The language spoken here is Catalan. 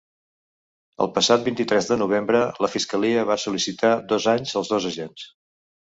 El passat vint-i-tres de novembre, la fiscalia va sol·licitar dos anys als dos agents.